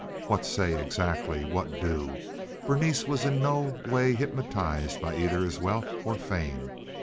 What say exactly? What do? Berenice was in no way hypnotized by either his wealth or fame.